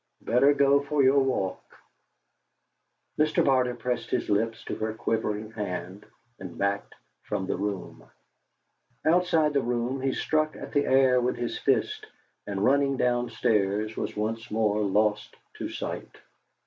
Better go for your walk." Mr. Barter pressed his lips to her quivering hand, and backed from the room. Outside the door he struck at the air with his fist, and, running downstairs, was once more lost to sight.